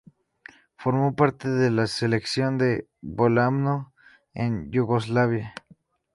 Formó parte de la Selección de balonmano de Yugoslavia.